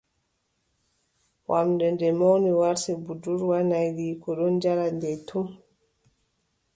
Wamnde nde mawni warti budurwa. Nawliiko ɗon jali nde tum.